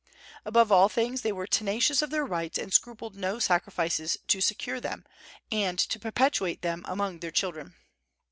Above all things, they were tenacious of their rights, and scrupled no sacrifices to secure them, and to perpetuate them among their children.